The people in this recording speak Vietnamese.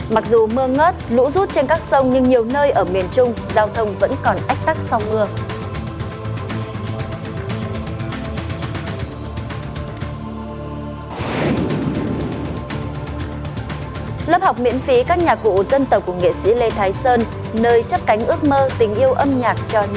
mặc dù mưa ngớt lũ rút trên các sông nhưng nhiều nơi ở miền trung giao thông vẫn còn ách tắc sau mưa